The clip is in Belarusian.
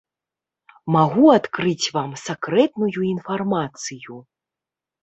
Магу адкрыць вам сакрэтную інфармацыю.